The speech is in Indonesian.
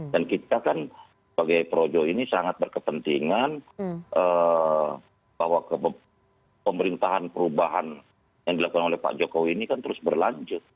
kita kan sebagai projo ini sangat berkepentingan bahwa pemerintahan perubahan yang dilakukan oleh pak jokowi ini kan terus berlanjut